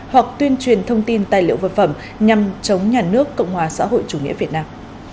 hoặc tuyên truyền thông tin tài liệu vật phẩm nhằm chống nhà nước cộng hòa xã hội chủ nghĩa việt nam